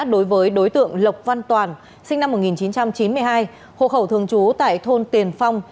đối với đối tượng lộc văn toàn sinh năm một nghìn chín trăm chín mươi hai hộ khẩu thường trú tại thôn tiền phong